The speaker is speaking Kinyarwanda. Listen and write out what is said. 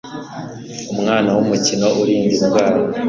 Umwana Wumukino urinda ubuzima.